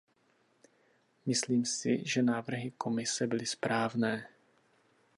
Myslím si, že návrhy Komise byly správné.